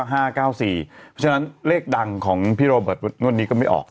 เพราะฉะนั้นเลขดังของพี่โรเบิร์ตงวดนี้ก็ไม่ออก